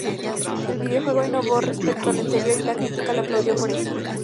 El videojuego innovó respecto al anterior y la crítica le aplaudió por eso.